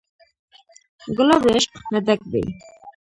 ګلاب د عشق نه ډک دی.